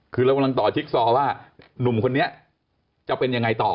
คือเรากำลังต่อจิ๊กซอว่าหนุ่มคนนี้จะเป็นยังไงต่อ